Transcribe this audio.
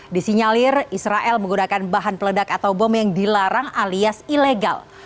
disinyalir israel menggunakan bahan peledak atau bom yang dilarang alias ilegal